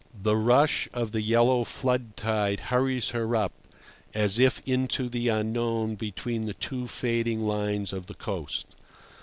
The rush of the yellow flood tide hurries her up as if into the unknown between the two fading lines of the coast.